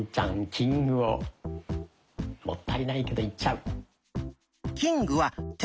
キングをもったいないけどいっちゃう。